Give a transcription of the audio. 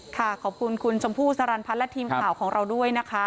ขอบคุณคุณชมพู่สรรพัฒน์และทีมข่าวของเราด้วยนะคะ